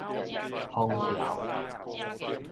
風潮